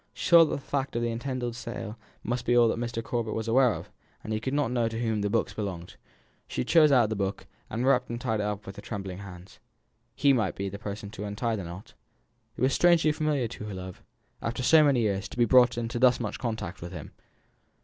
She saw that the fact of the intended sale must be all that Mr. Corbet was aware of, and that he could not know to whom the books belonged. She chose out the book, and wrapped and tied it up with trembling hands. He might be the person to untie the knot. It was strangely familiar to her love, after so many years, to be brought into thus much contact with him.